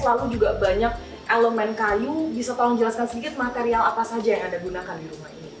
lalu juga banyak elemen kayu bisa tolong jelaskan sedikit material apa saja yang anda gunakan di rumah ini